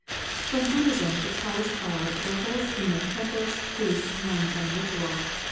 From Buddhism the Taoists borrowed their whole scheme of temples, priests, nuns, and ritual.